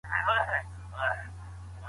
ایا ځايي کروندګر جلغوزي اخلي؟